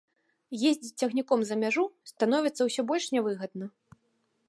Ездзіць цягніком за мяжу становіцца ўсё больш не выгадна.